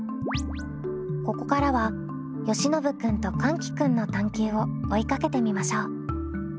ここからはよしのぶ君とかんき君の探究を追いかけてみましょう。